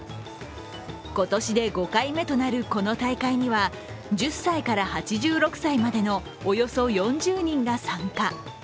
今年で５回目となるこの大会には、１０歳から８６歳までのおよそ４０人が参加。